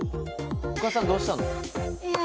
お母さんどうしたの？